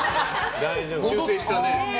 修正したね。